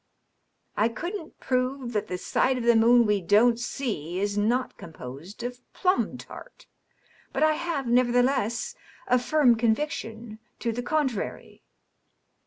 " I couldn't prove that the side of the moon we don't see is not composed of plum tart ; but I have, nevertheless, a firm conviction to the contrary.'